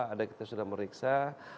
adik kita sudah memeriksa empat puluh dua